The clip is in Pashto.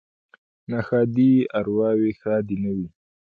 ـ ناښادې ارواوې ښادې نه وي.